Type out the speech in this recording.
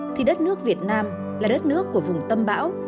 thì đất nước việt nam là đất nước của vùng tâm bão